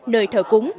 nơi thờ cúng